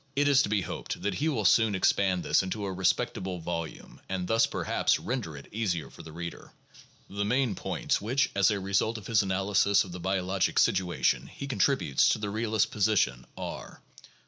It is to be hoped that he will soon expand this into a respectable volume and thus, perhaps, render it easier for the reader. The main points which, as a result of his analysis of the biologic situation, he contributes to the realist position are : 1.